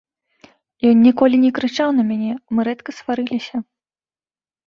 Ён ніколі не крычаў на мяне, мы рэдка сварыліся.